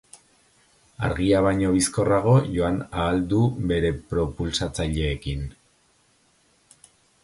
Argia baino bizkorrago joan ahal du bere propultsatzaileekin.